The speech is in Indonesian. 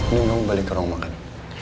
nunggu balik ke rumah kan